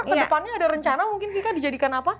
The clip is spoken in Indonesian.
ke depannya ada rencana mungkin vika dijadikan apa